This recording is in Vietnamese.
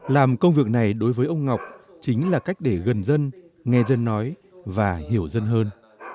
làm công việc này đối với ông ngọc chính là cách để gần dân nghe dân nói và hiểu dân hơn